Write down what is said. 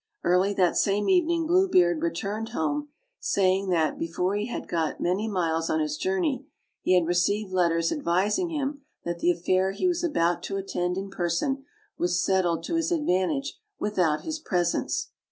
Early that same evening Blue Beard returned home, saying that, before he had got many miles on his jour ney, he had received letters advising him that the affair he was about to attend in person was settled to his ad vantage without his presence.